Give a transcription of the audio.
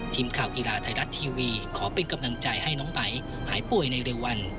ทีมข่าวกีฬาไทยรัฐทีวีขอเป็นกำลังใจให้น้องไหมหายป่วยในเร็ววัน